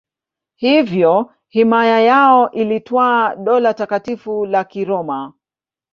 Hivyo himaya yao iliitwa Dola Takatifu la Kiroma.